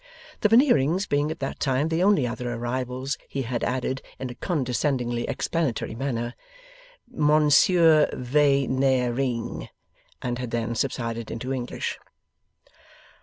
The Veneerings being at that time the only other arrivals, he had added (in a condescendingly explanatory manner), 'Monsieur Vey nair reeng,' and had then subsided into English.